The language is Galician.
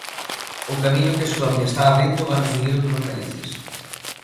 O camiño que Escocia está abrindo vano seguir outros países.